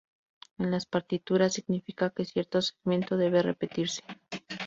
En las partituras, significa que cierto segmento debe repetirse.